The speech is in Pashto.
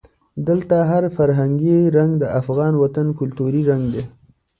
دلته هر فرهنګي رنګ د افغان وطن کلتوري رنګ دی.